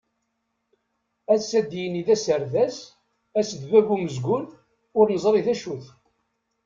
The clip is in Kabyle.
Ass ad d-yini d aserdas, ass d bab umezgun, ur neẓri d acu-t.